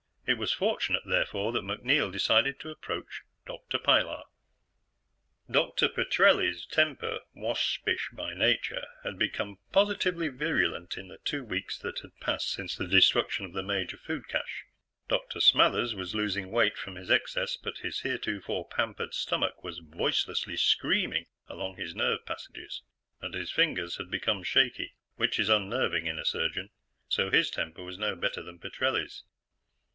It was fortunate, therefore, that MacNeil decided to approach Dr. Pilar. Dr. Petrelli's temper, waspish by nature, had become positively virulent in the two weeks that had passed since the destruction of the major food cache. Dr. Smathers was losing weight from his excess, but his heretofore pampered stomach was voicelessly screaming along his nerve passages, and his fingers had become shaky, which is unnerving in a surgeon, so his temper was no better than Petrelli's.